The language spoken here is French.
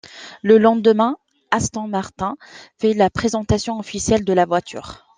Le lendemain, Aston Martin fait la présentation officielle de la voiture.